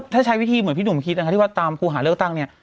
ถ้าใช้วิธีเหมือนพี่หนุ่มคิดนะคะที่ว่าตามครูหาเลือกตั้งเนี่ย